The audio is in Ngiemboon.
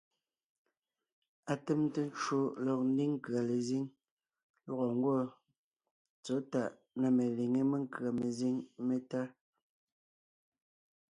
Atèmte ncwò lɔg ńdiŋ nkʉ̀a lezíŋ lɔgɔ ńgwɔ́ tsɔ̌ tàʼ na meliŋé menkʉ̀a mezíŋ métá.